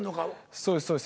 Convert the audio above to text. そうですそうです。